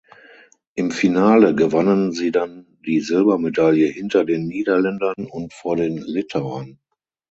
Im Finale gewannen sie dann die Silbermedaille hinter den Niederländern und vor den Litauern.